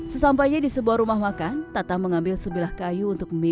sesampainya di sebuah rumah makan tatang mengambil sebilah kayu untuk memilih